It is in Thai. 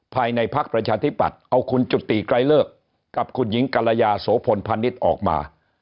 ภายในภักร์ประชาธิบัตรเอาคุณจุติไกรเลิกกับคุณหญิงกัลยาโสพนภัณฑ์ออกมา